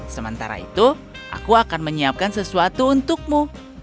sementara itu aku akan menyiapkan sesuatu untukmu